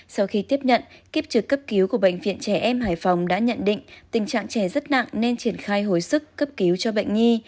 sau khi tiếp nhận kiếp trực cấp cứu của bệnh viện trẻ em hải phòng đã nhận định tình trạng trẻ rất nặng nên triển khai hồi sức cấp cứu cho bệnh nhi